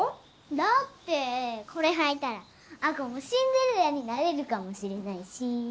だってこれ履いたら亜子もシンデレラになれるかもしれないし。